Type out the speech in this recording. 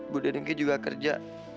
bu denunki juga kerja